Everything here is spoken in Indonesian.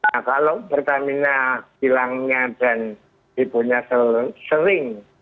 nah kalau pertamina kilangnya dan ibunya sering